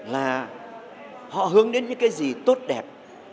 là họ hướng đến những cái gì tốt đẹp